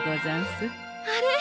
あれ！？